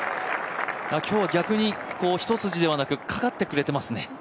今日は逆に一筋ではなく、かかってくれてますね。